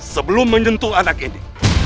sebelum menyentuh anak ini